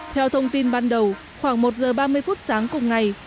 theo thông tin ban đầu khoảng một giờ ba mươi phút sáng cùng ngày